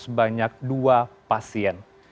sebanyak dua pasien